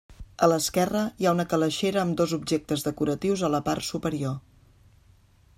A l'esquerra, hi ha una calaixera amb dos objectes decoratius a la part superior.